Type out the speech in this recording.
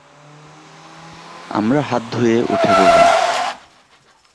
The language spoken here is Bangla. আমরা হাত ধুয়ে উঠে পড়লাম।